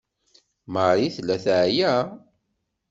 Marie tella teɛya.